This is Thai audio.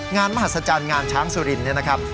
มหัศจรรย์งานช้างสุรินเนี่ยนะครับ